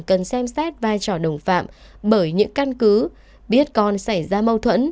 cần xem xét vai trò đồng phạm bởi những căn cứ biết con xảy ra mâu thuẫn